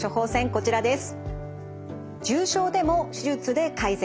こちらです。